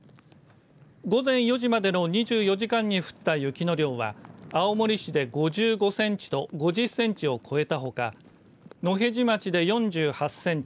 午前４時までの２４時間に降った雪の量は青森市で５５センチと５０センチを超えたほか野辺地町で４８センチ